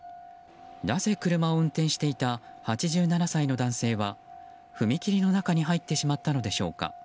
なぜ車を運転していた８７歳の男性は踏切の中に入ってしまったのでしょうか。